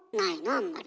あんまり。